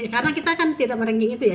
karena kita kan tidak merengging itu ya